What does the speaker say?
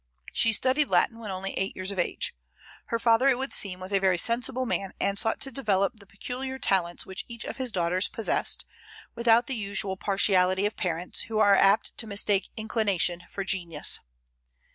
She studied Latin when only eight years of age. Her father, it would seem, was a very sensible man, and sought to develop the peculiar talents which each of his daughters possessed, without the usual partiality of parents, who are apt to mistake inclination for genius.